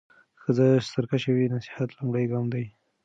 که ښځه سرکشه وي، نصيحت لومړی ګام دی.